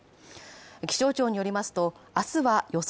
気象庁によりますと、明日は予想